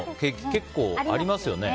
結構、ありますよね。